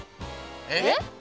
えっ？